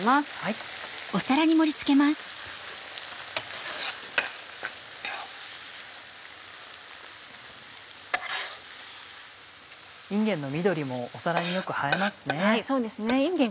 いんげんの緑も皿によく映えますね。